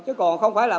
chứ còn không phải là